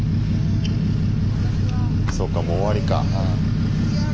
そっかもう終わりか。